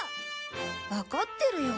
わかってるよ。